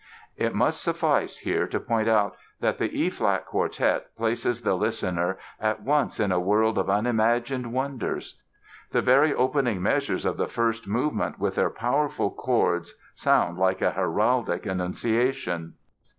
It must suffice here to point out that the E flat Quartet places the listener at once in a world of unimagined wonders. The very opening measures of the first movement with their powerful chords sound like a heraldic annunciation.